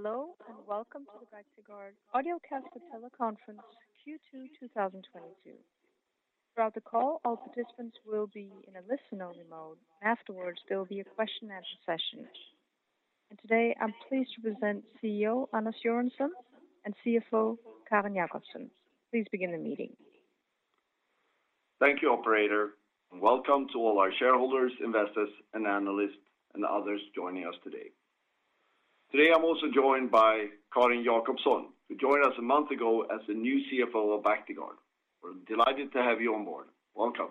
Hello, and welcome to the Bactiguard Audiocast for Teleconference Q2 2022. Throughout the call, all participants will be in a listen-only mode. Afterwards, there will be a question and answer session. Today, I'm pleased to present CEO Anders Göransson and CFO Carin Jakobson. Please begin the meeting. Thank you, operator, and welcome to all our shareholders, investors and analysts, and others joining us today. Today, I'm also joined by Carin Jakobson, who joined us a month ago as the new CFO of Bactiguard. We're delighted to have you on board. Welcome.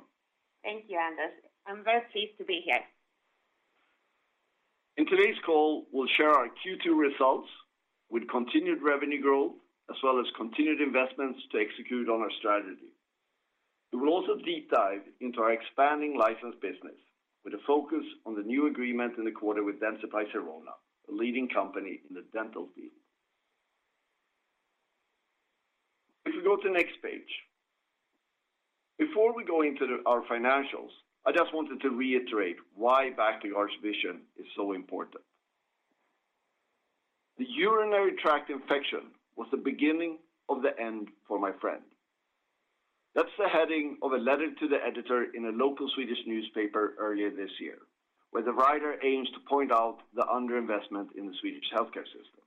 Thank you, Anders. I'm very pleased to be here. In today's call, we'll share our Q2 results with continued revenue growth, as well as continued investments to execute on our strategy. We will also deep dive into our expanding license business with a focus on the new agreement in the quarter with Dentsply Sirona, a leading company in the dental field. If you go to the next page. Before we go into our financials, I just wanted to reiterate why Bactiguard's vision is so important. The urinary tract infection was the beginning of the end for my friend. That's the heading of a letter to the editor in a local Swedish newspaper earlier this year, where the writer aims to point out the underinvestment in the Swedish healthcare system.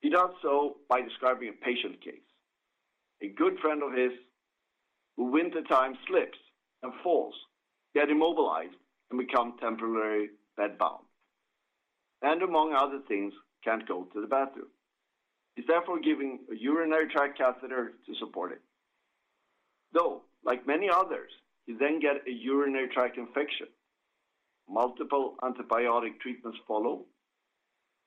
He does so by describing a patient case. A good friend of his, who, in wintertime, slips and falls, gets immobilized and becomes temporarily bedbound, and among other things, can't go to the bathroom. He's therefore given a urinary tract catheter to support him. Though, like many others, he then gets a urinary tract infection. Multiple antibiotic treatments follow,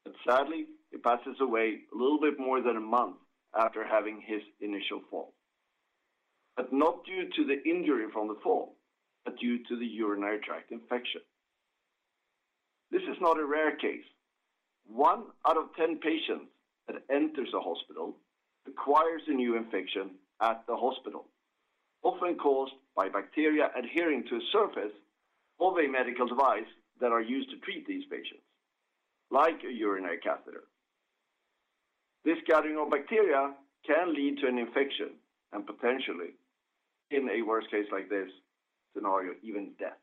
but sadly, he passes away a little bit more than a month after having his initial fall, but not due to the injury from the fall, but due to the urinary tract infection. This is not a rare case. One out of 10 patients that enter a hospital acquires a new infection at the hospital, often caused by bacteria adhering to a surface of a medical device that is used to treat these patients, like a urinary catheter. This gathering of bacteria can lead to an infection and potentially, in a worst case like this scenario, even death.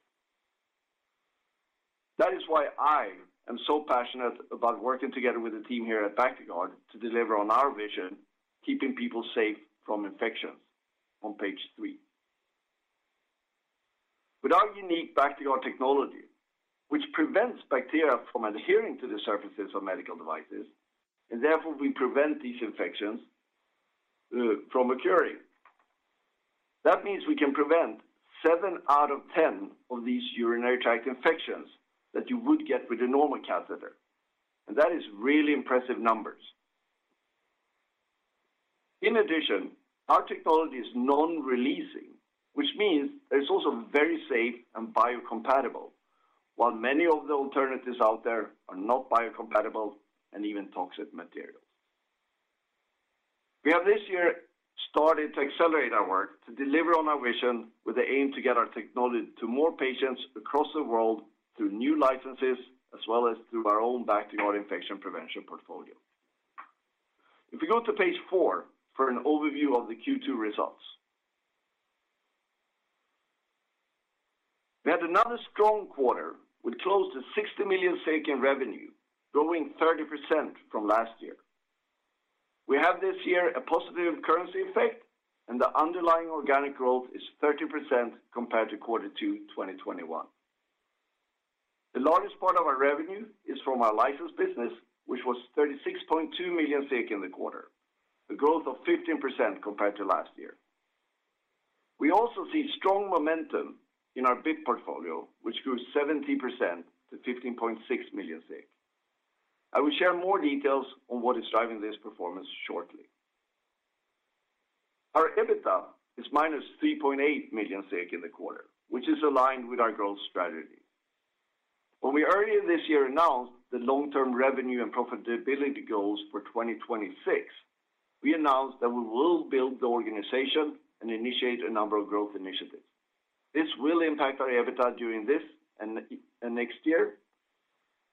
That is why I am so passionate about working together with the team here at Bactiguard to deliver on our vision, keeping people safe from infections on page three. With our unique Bactiguard technology, which prevents bacteria from adhering to the surfaces of medical devices, and therefore we prevent these infections from occurring. That means we can prevent seven out of 10 of these urinary tract infections that you would get with a normal catheter, and that is really impressive numbers. In addition, our technology is non-releasing, which means it's also very safe and biocompatible, while many of the alternatives out there are not biocompatible and even toxic materials. We have this year started to accelerate our work to deliver on our vision with the aim to get our technology to more patients across the world through new licenses, as well as through our own Bactiguard Infection Prevention portfolio. If you go to page four for an overview of the Q2 results. We had another strong quarter with close to 60 million in revenue, growing 30% from last year. We have this year a positive currency effect, and the underlying organic growth is 30% compared to Q2 2021. The largest part of our revenue is from our license business, which was 36.2 million in the quarter, a growth of 15% compared to last year. We also see strong momentum in our BIP portfolio, which grew 70% to 15.6 million. I will share more details on what is driving this performance shortly. Our EBITDA is -3.8 million in the quarter, which is aligned with our growth strategy. When we earlier this year announced the long-term revenue and profitability goals for 2026, we announced that we will build the organization and initiate a number of growth initiatives. This will impact our EBITDA during this and next year,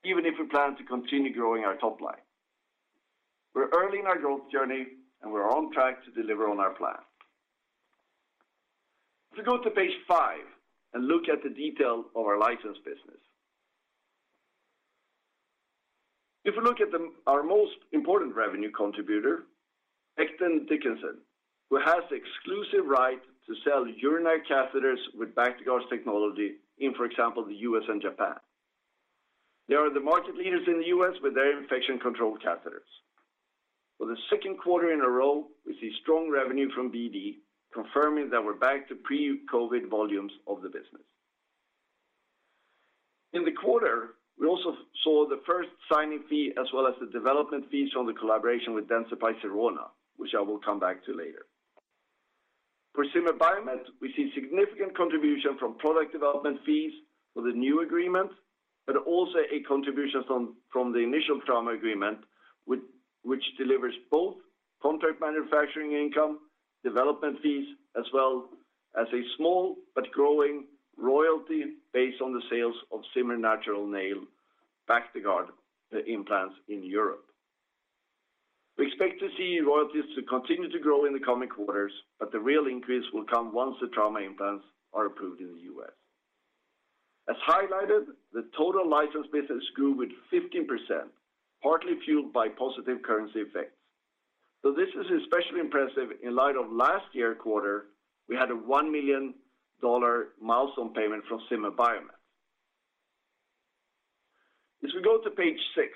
even if we plan to continue growing our top line. We're early in our growth journey, and we're on track to deliver on our plan. If you go to page five and look at the detail of our license business. If you look at our most important revenue contributor, Becton Dickinson and Company, who has the exclusive right to sell urinary catheters with Bactiguard's technology in, for example, the U.S. and Japan. They are the market leaders in the U.S. with their infection control catheters. For the second quarter in a row, we see strong revenue from BD, confirming that we're back to pre-COVID volumes of the business. In the quarter, we also saw the first signing fee as well as the development fees on the collaboration with Dentsply Sirona, which I will come back to later. For Sim environment, we see significant contribution from product development fees for the new agreement, but also a contribution from the initial trauma agreement, which delivers both contract manufacturing income, development fees, as well as a small but growing royalty based on the sales of Zimmer Natural Nail Bactiguard implants in Europe. We expect to see royalties to continue to grow in the coming quarters, but the real increase will come once the trauma implants are approved in the U.S. As highlighted, the total license business grew 15%, partly fueled by positive currency effects. This is especially impressive in light of last year quarter, we had a $1 million milestone payment from Zimmer Biomet. As we go to page six.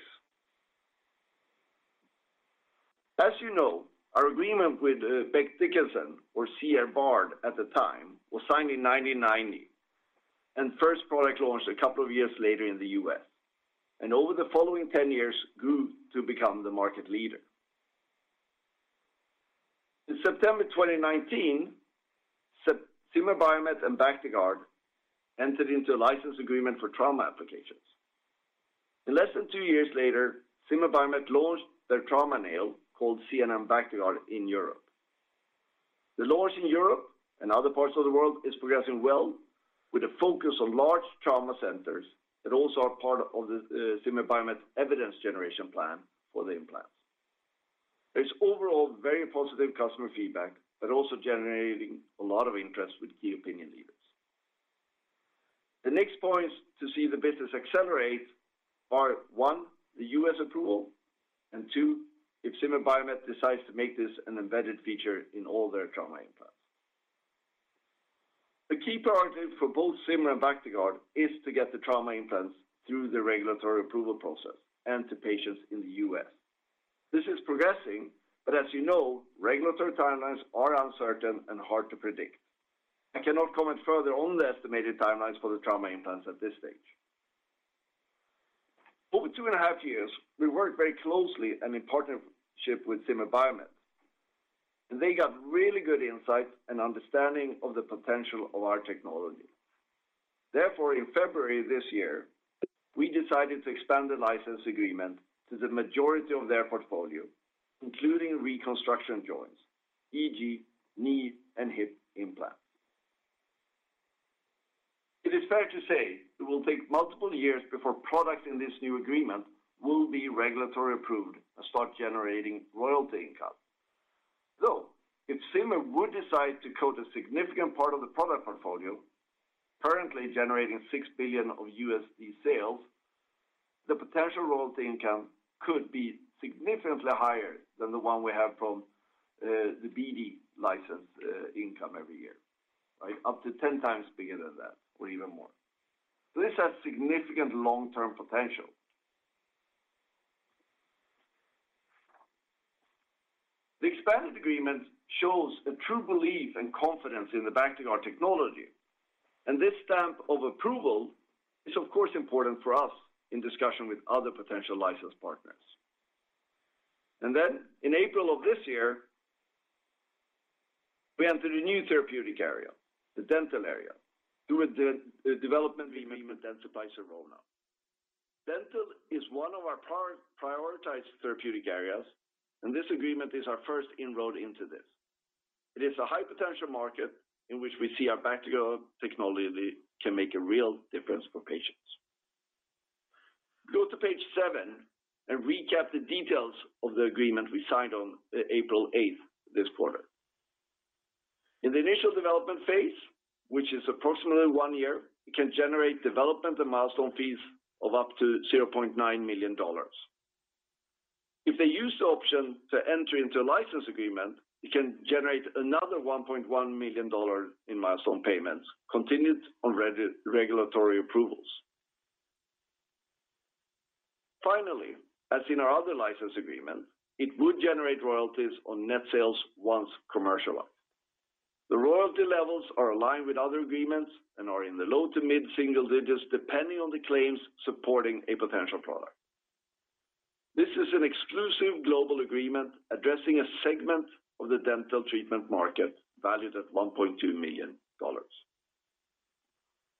As you know, our agreement with Becton Dickinson, or C. R. Bard at the time, was signed in 1990, and first product launched a couple of years later in the U.S., and over the following 10 years grew to become the market leader. In September 2019, Zimmer Biomet and Bactiguard entered into a license agreement for trauma applications. In less than two years later, Zimmer Biomet launched their trauma nail called ZNN Bactiguard in Europe. The launch in Europe and other parts of the world is progressing well with a focus on large trauma centers that also are part of the Zimmer Biomet evidence generation plan for the implants. There's overall very positive customer feedback, but also generating a lot of interest with key opinion leaders. The next points to see the business accelerate are, one, the U.S. approval, and two, if Zimmer Biomet decides to make this an embedded feature in all their trauma implants. The key priority for both Zimmer and Bactiguard is to get the trauma implants through the regulatory approval process and to patients in the U.S. This is progressing, but as you know, regulatory timelines are uncertain and hard to predict. I cannot comment further on the estimated timelines for the trauma implants at this stage. Over two and half years, we worked very closely and in partnership with Zimmer Biomet, and they got really good insights and understanding of the potential of our technology. Therefore, in February this year, we decided to expand the license agreement to the majority of their portfolio, including reconstruction joints, e.g., knee and hip implants. It is fair to say it will take multiple years before products in this new agreement will be regulatory approved and start generating royalty income. Though, if Zimmer would decide to coat a significant part of the product portfolio currently generating $6 billion sales, the potential royalty income could be significantly higher than the one we have from the BD license income every year, right? Up to 10 times bigger than that or even more. This has significant long-term potential. The expanded agreement shows a true belief and confidence in the Bactiguard technology, and this stamp of approval is of course important for us in discussion with other potential license partners. In April of this year, we entered a new therapeutic area, the dental area, through a co-development agreement with Dentsply Sirona. Dental is one of our prioritized therapeutic areas, and this agreement is our first inroad into this. It is a high potential market in which we see our Bactiguard technology can make a real difference for patients. Go to page seven and recap the details of the agreement we signed on April 8 this quarter. In the initial development phase, which is approximately one year, it can generate development and milestone fees of up to $0.9 million. If they use the option to enter into a license agreement, it can generate another $1.1 million in milestone payments, contingent on regulatory approvals. Finally, as in our other license agreement, it would generate royalties on net sales once commercialized. The royalty levels are aligned with other agreements and are in the low- to mid-single digits, depending on the claims supporting a potential product. This is an exclusive global agreement addressing a segment of the dental treatment market valued at $1.2 million.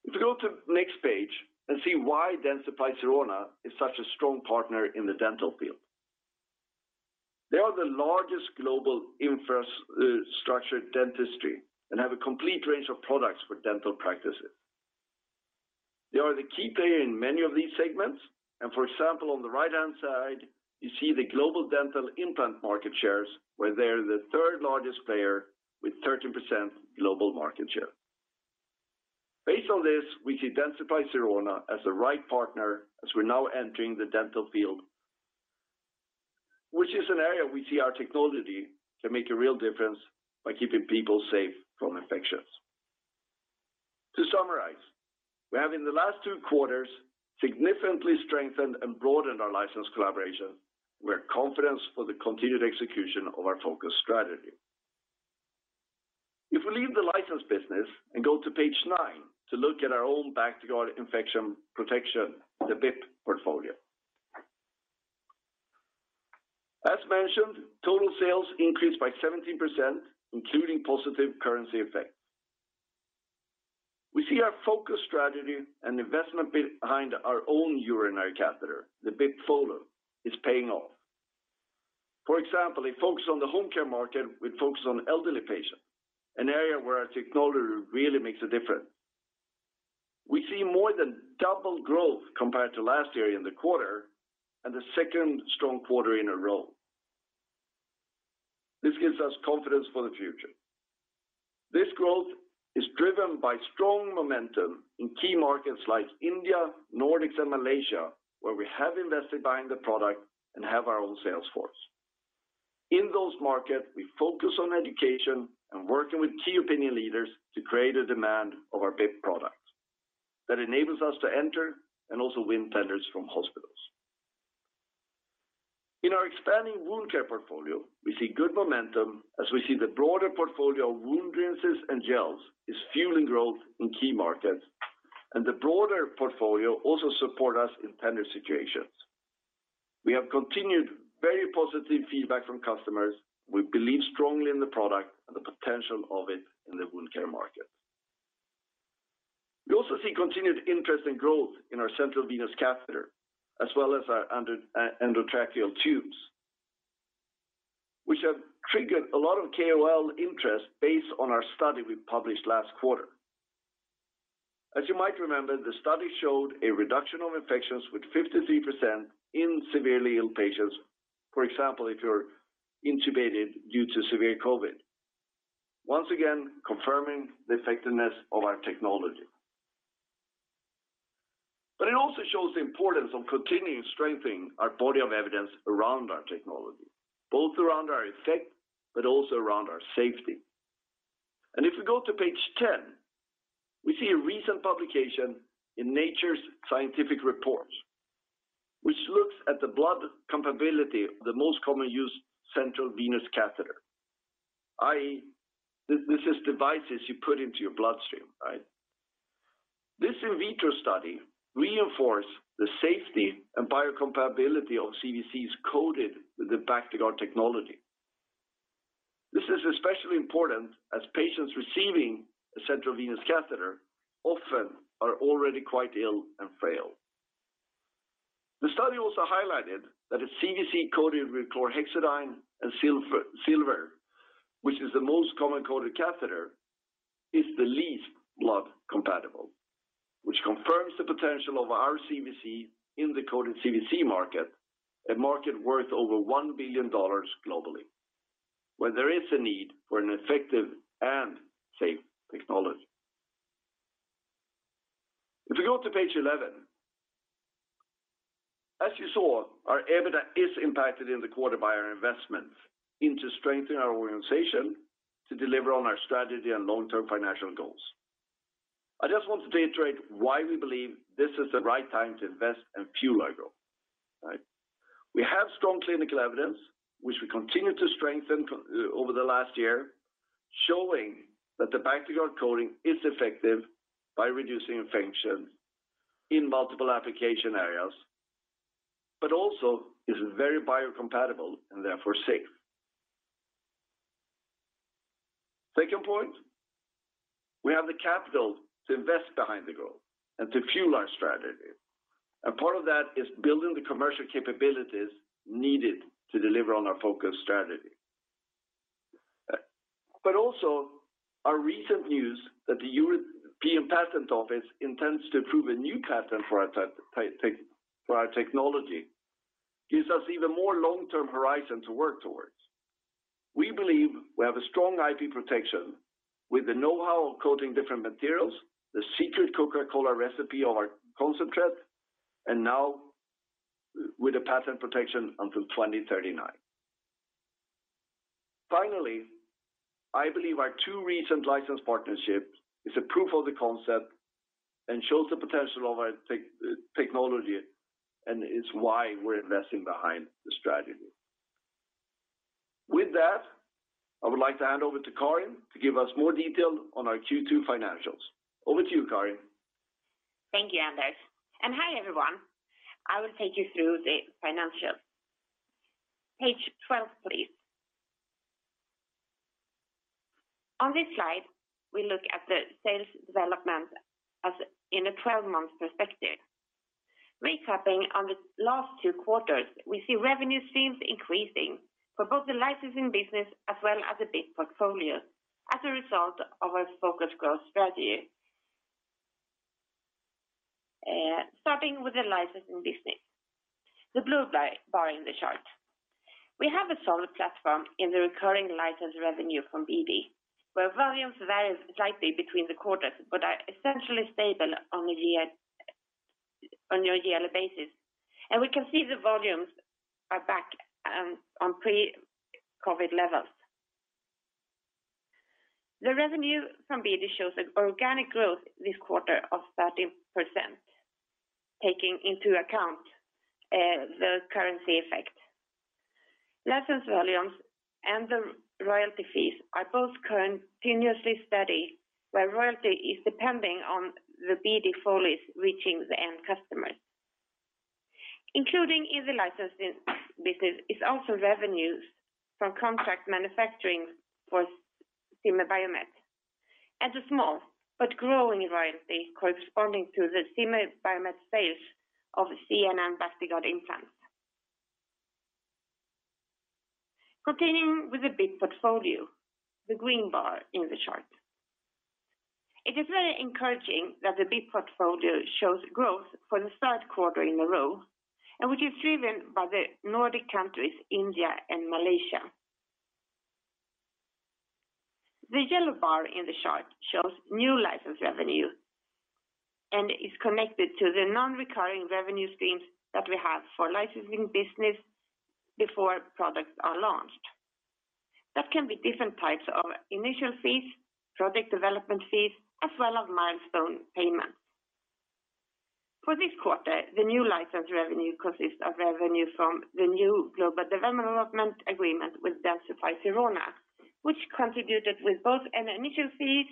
If you go to next page and see why Dentsply Sirona is such a strong partner in the dental field. They are the largest global infrastructure and have a complete range of products for dental practices. They are the key player in many of these segments, and for example, on the right-hand side, you see the global dental implant market shares, where they're the third largest player with 13% global market share. Based on this, we see Dentsply Sirona as the right partner as we're now entering the dental field, which is an area we see our technology can make a real difference by keeping people safe from infections. To summarize, we have in the last two quarters significantly strengthened and broadened our license collaboration. We are confident for the continued execution of our focus strategy. If we leave the license business and go to page nine to look at our own Bactiguard Infection Protection, the BIP portfolio. As mentioned, total sales increased by 17%, including positive currency effect. We see our focus strategy and investment behind our own urinary catheter, the BIP Foley, is paying off. For example, a focus on the home care market with focus on elderly patients, an area where our technology really makes a difference. We see more than double growth compared to last year in the quarter and the second strong quarter in a row. This gives us confidence for the future. This growth is driven by strong momentum in key markets like India, Nordics, and Malaysia, where we have invested behind the product and have our own sales force. In those markets, we focus on education and working with key opinion leaders to create a demand of our BIP products that enables us to enter and also win tenders from hospitals. In our expanding wound care portfolio, we see good momentum as we see the broader portfolio of wound rinses and gels is fueling growth in key markets, and the broader portfolio also support us in tender situations. We have continued very positive feedback from customers. We believe strongly in the product and the potential of it in the wound care market. We also see continued interest and growth in our central venous catheter, as well as our endotracheal tubes, which have triggered a lot of KOL interest based on our study we published last quarter. As you might remember, the study showed a reduction of infections with 53% in severely ill patients, for example, if you're intubated due to severe COVID. Once again, confirming the effectiveness of our technology. It also shows the importance of continuing strengthening our body of evidence around our technology, both around our effect, but also around our safety. If we go to page 10, we see a recent publication in Nature's Scientific Reports, which looks at the blood compatibility of the most commonly used central venous catheter. This is devices you put into your bloodstream, right? This in vitro study reinforce the safety and biocompatibility of CVCs coated with the Bactiguard technology. This is especially important as patients receiving a central venous catheter often are already quite ill and frail. The study also highlighted that a CVC coated with chlorhexidine and silver, which is the most common coated catheter, is the least blood compatible, which confirms the potential of our CVC in the coated CVC market, a market worth over $1 billion globally, where there is a need for an effective and safe technology. If you go to page 11. As you saw, our EBITDA is impacted in the quarter by our investments into strengthening our organization to deliver on our strategy and long-term financial goals. I just want to reiterate why we believe this is the right time to invest and fuel our growth, right? We have strong clinical evidence, which we continued to strengthen over the last year, showing that the Bactiguard coating is effective by reducing infection in multiple application areas, but also is very biocompatible and therefore safe. Second point, we have the capital to invest behind the growth and to fuel our strategy. Part of that is building the commercial capabilities needed to deliver on our focus strategy. Also our recent news that the European Patent Office intends to approve a new patent for our technology gives us even more long-term horizon to work towards. We believe we have a strong IP protection with the know-how of coating different materials, the secret Coca-Cola recipe of our coating, and now with the patent protection until 2039. Finally, I believe our two recent license partnerships is a proof of the concept and shows the potential of our technology and is why we're investing behind the strategy. With that, I would like to hand over to Carin Jakobson to give us more detail on our Q2 financials. Over to you, Carin Jakobson. Thank you, Anders. Hi, everyone. I will take you through the financials. Page 12, please. On this slide, we look at the sales development as in a 12-month perspective. Recapping on the last two quarters, we see revenue seems increasing for both the licensing business as well as the BIP portfolio as a result of our focused growth strategy. Starting with the licensing business, the blue bar in the chart. We have a solid platform in the recurring license revenue from BD, where volumes varies slightly between the quarters, but are essentially stable on a yearly basis. We can see the volumes are back on pre-COVID levels. The revenue from BD shows an organic growth this quarter of 30%, taking into account the currency effect. License volumes and the royalty fees are both continuously steady, where royalty is depending on the BD Foleys reaching the end customers. Including in the licensing business is also revenues from contract manufacturing for Zimmer Biomet and a small but growing royalty corresponding to the Zimmer Biomet sales of ZNN Bactiguard implants. Continuing with the BIP portfolio, the green bar in the chart. It is very encouraging that the BIP portfolio shows growth for the third quarter in a row, which is driven by the Nordic countries, India and Malaysia. The yellow bar in the chart shows new license revenue and is connected to the non-recurring revenue streams that we have for licensing business before our products are launched. That can be different types of initial fees, product development fees, as well as milestone payments. For this quarter, the new license revenue consists of revenue from the new global development agreement with Dentsply Sirona, which contributed with both an initial fee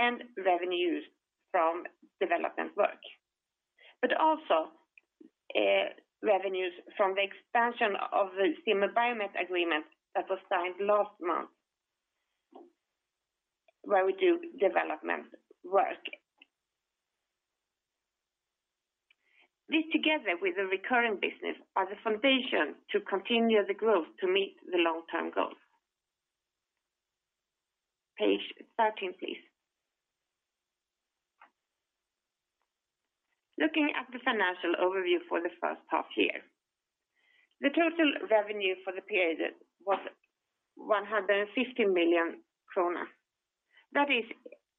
and revenues from development work. Also, revenues from the expansion of the Zimmer Biomet agreement that was signed last month where we do development work. This together with the recurring business are the foundation to continue the growth to meet the long-term goals. Page 13, please. Looking at the financial overview for the first half year. The total revenue for the period was 150 million kronor. That is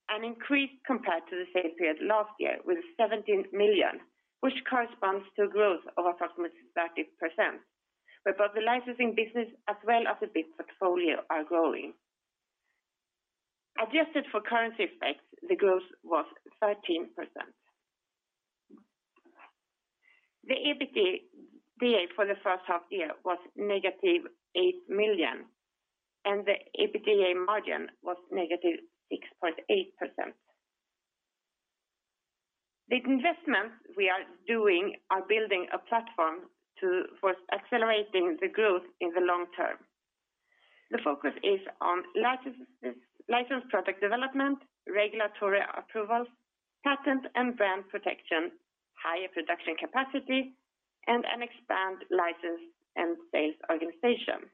an increase compared to the same period last year with 17 million, which corresponds to growth of approximately 30%, where both the licensing business as well as the BIP portfolio are growing. Adjusted for currency effects, the growth was 13%. The EBITDA for the first half year was -8 million, and the EBITDA margin was -6.8%. The investments we are doing are building a platform to for accelerating the growth in the long term. The focus is on license product development, regulatory approvals, patent and brand protection, higher production capacity, and an expanded license and sales organization.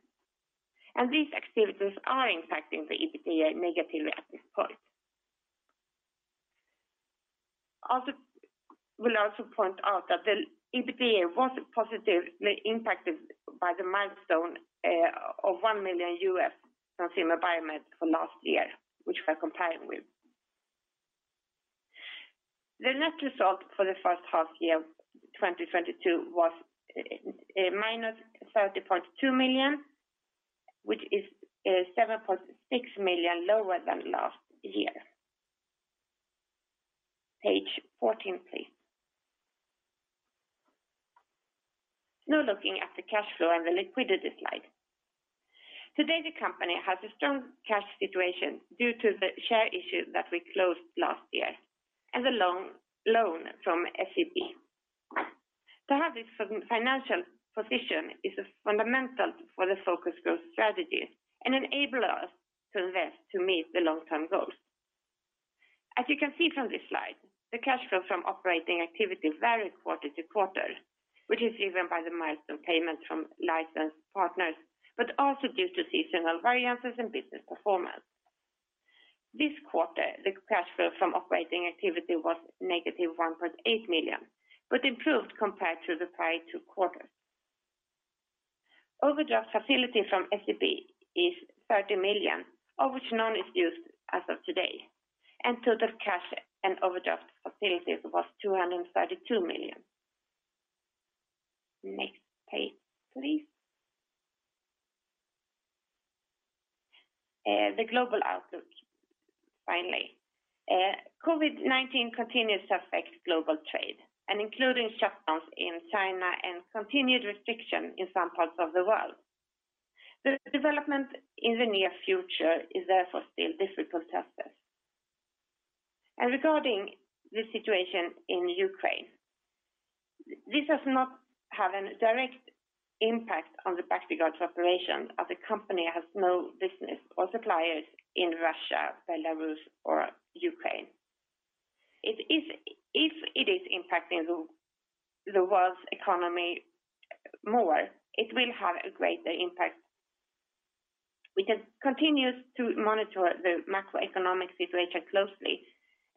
These activities are impacting the EBITDA negatively at this point. I will also point out that the EBITDA was positively impacted by the milestone of $1 million from Zimmer Biomet for last year, which we're comparing with. The net result for the first half year 2022 was minus 30.2 million, which is 7.6 million lower than last year. Page 14, please. Now looking at the cash flow and the liquidity slide. Today, the company has a strong cash situation due to the share issue that we closed last year and the loan from SEB. To have this financial position is fundamental for the focus growth strategy and enable us to invest to meet the long-term goals. As you can see from this slide, the cash flow from operating activities vary quarter to quarter, which is driven by the milestone payments from licensed partners, but also due to seasonal variances and business performance. This quarter, the cash flow from operating activity was -1.8 million, but improved compared to the prior two quarters. Overdraft facility from SEB is 30 million, of which none is used as of today. Total cash and overdraft facilities was 232 million. Next page, please. The global outlook finally. COVID-19 continues to affect global trade and including shutdowns in China and continued restriction in some parts of the world. The development in the near future is therefore still difficult to assess. Regarding the situation in Ukraine, this does not have a direct impact on the Bactiguard's operation as the company has no business or suppliers in Russia, Belarus, or Ukraine. If it is impacting the world's economy more, it will have a greater impact. We can continue to monitor the macroeconomic situation closely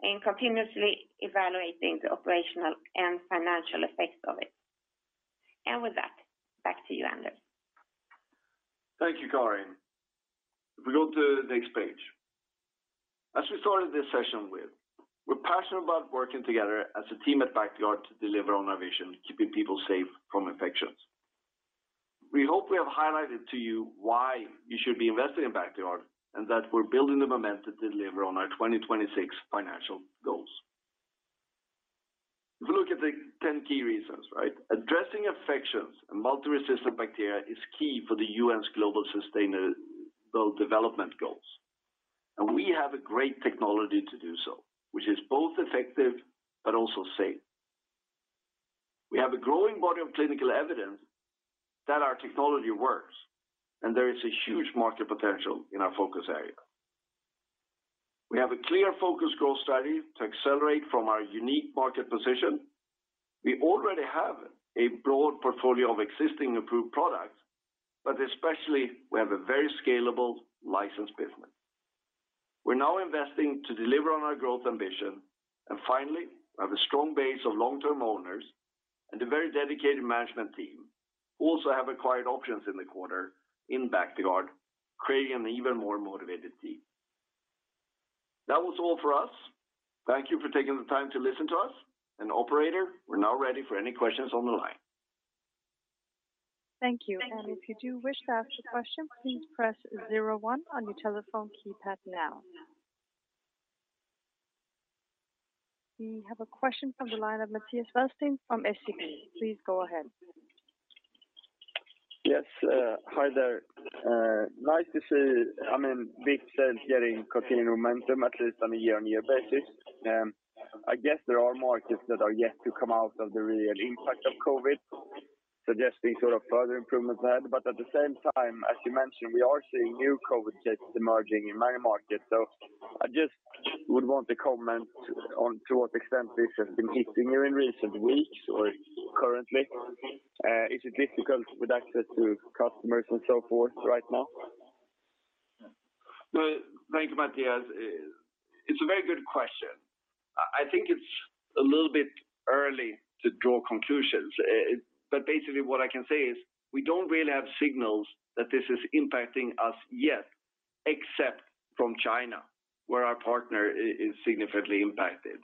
and continuously evaluating the operational and financial effects of it. With that, back to you, Anders. Thank you, Carin. If we go to the next page. As we started this session with, we're passionate about working together as a team at Bactiguard to deliver on our vision, keeping people safe from infections. We hope we have highlighted to you why you should be investing in Bactiguard and that we're building the momentum to deliver on our 2026 financial goals. If you look at the 10 key reasons, right? Addressing infections and multi-resistant bacteria is key for the UN's global sustainable development goals. We have a great technology to do so, which is both effective but also safe. We have a growing body of clinical evidence that our technology works, and there is a huge market potential in our focus area. We have a clear focus growth strategy to accelerate from our unique market position. We already have a broad portfolio of existing approved products, but especially we have a very scalable license business. We're now investing to deliver on our growth ambition, and finally, we have a strong base of long-term owners and a very dedicated management team, who also have acquired options in the quarter in Bactiguard, creating an even more motivated team. That was all for us. Thank you for taking the time to listen to us. Operator, we're now ready for any questions on the line. Thank you. If you do wish to ask a question, please press zero one on your telephone keypad now. We have a question from the line of Mattias Wålsten from SEB. Please go ahead. Yes, hi there. Nice to see, I mean, big sales getting continued momentum, at least on a year-on-year basis. I guess there are markets that are yet to come out of the real impact of COVID, suggesting sort of further improvements there. At the same time, as you mentioned, we are seeing new COVID cases emerging in many markets. I just would want to comment on to what extent this has been hitting you in recent weeks or currently. Is it difficult with access to customers and so forth right now? Well, thank you, Mattias. It's a very good question. I think it's a little bit early to draw conclusions. Basically what I can say is we don't really have signals that this is impacting us yet, except from China, where our partner is significantly impacted.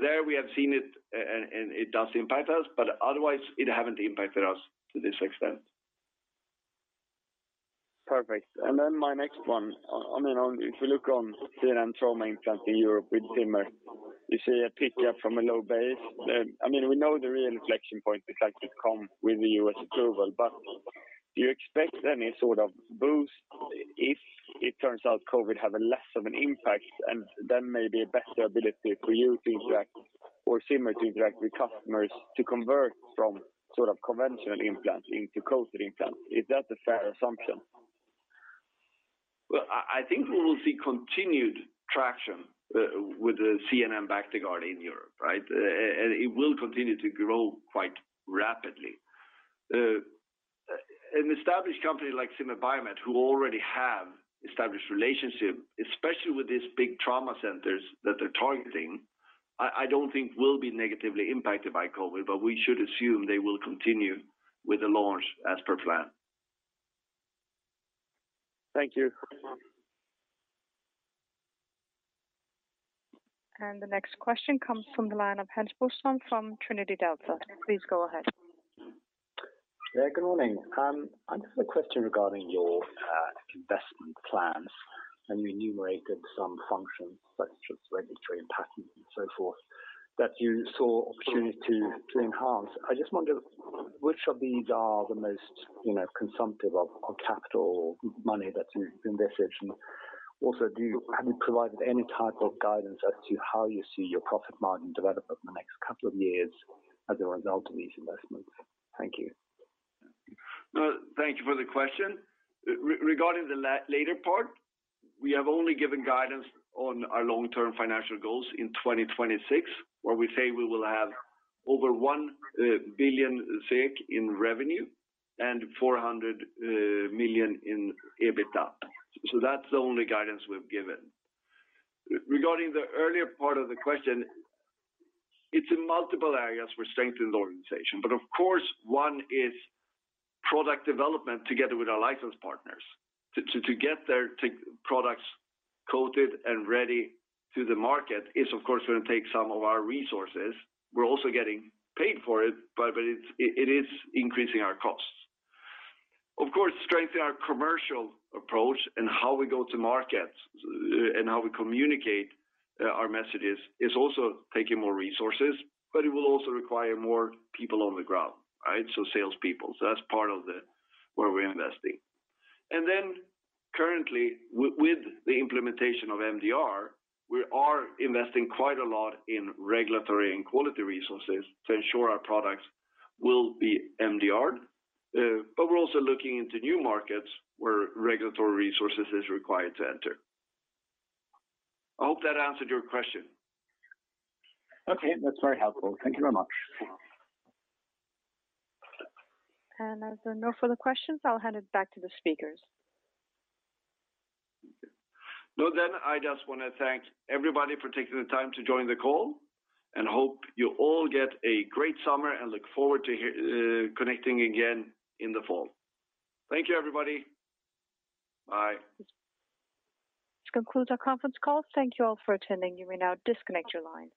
There we have seen it and it does impact us, but otherwise it hasn't impacted us to this extent. Perfect. My next one, I mean, if you look on ZNN trauma implant in Europe with Zimmer, you see a pick up from a low base. I mean, we know the real inflection point is likely to come with the U.S. approval. Do you expect any sort of boost if it turns out COVID have a less of an impact and then maybe a better ability for you to interact or Zimmer to interact with customers to convert from sort of conventional implants into coated implants? Is that a fair assumption? Well, I think we will see continued traction with the ZNN Bactiguard in Europe, right? It will continue to grow quite rapidly. An established company like Zimmer Biomet, who already have established relationship, especially with these big trauma centers that they're targeting, I don't think will be negatively impacted by COVID, but we should assume they will continue with the launch as per plan. Thank you. The next question comes from the line of Hans Bøhn from Trinity Delta. Please go ahead. Yeah, good morning. I just have a question regarding your investment plans, and you enumerated some functions such as regulatory and patent and so forth, that you saw opportunity to enhance. I just wonder which of these are the most, you know, consumptive of capital or money that you've invested in? Also, have you provided any type of guidance as to how you see your profit margin development in the next couple of years as a result of these investments? Thank you. No, thank you for the question. Regarding the later part, we have only given guidance on our long-term financial goals in 2026, where we say we will have over 1 billion SEK in revenue and 400 million in EBITDA. That's the only guidance we've given. Regarding the earlier part of the question, it's in multiple areas we're strengthening the organization, but of course, one is product development together with our license partners. To get their products coated and ready to the market is of course going to take some of our resources. We're also getting paid for it, but it is increasing our costs. Of course, strengthening our commercial approach and how we go to market and how we communicate our messages is also taking more resources, but it will also require more people on the ground, right? Salespeople. That's part of where we're investing. Currently with the implementation of MDR, we are investing quite a lot in regulatory and quality resources to ensure our products will be MDR. We're also looking into new markets where regulatory resources is required to enter. I hope that answered your question. Okay, that's very helpful. Thank you very much. As there are no further questions, I'll hand it back to the speakers. No, I just wanna thank everybody for taking the time to join the call and hope you all get a great summer and look forward to connecting again in the fall. Thank you, everybody. Bye. This concludes our conference call. Thank you all for attending. You may now disconnect your line.